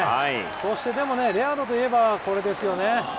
そしてレアードといえばこれですよね。